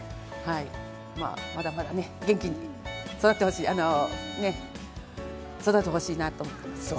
まだまだ元気に育ってほしいなと思っています。